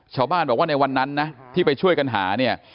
ชาวบ้านบอกว่าในวันนั้นนะที่ไปช่วยกันหาเนี่ย